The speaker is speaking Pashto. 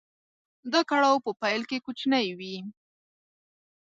دا کړاو په پيل کې کوچنی وي.